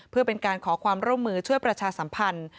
เพื่อเป็นการขอความร่วมมือช่วยประชาสัมพันธ์